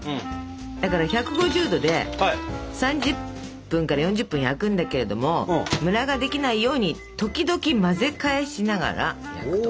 だから１５０℃で３０分から４０分焼くんだけれどもムラができないように時々混ぜ返しながら焼くと。